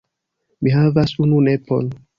Mi havas unu nepon.